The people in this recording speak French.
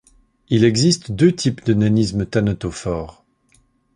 Il existe deux types de nanisme thanatophore.